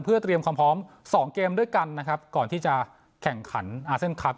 เพื่อเตรียมความพร้อมสองเกมด้วยกันนะครับก่อนที่จะแข่งขันอาเซียนคลับ